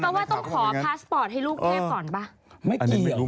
เขาว่าต้องขอพาสปอร์ตให้ลูกเทพก่อนป่ะ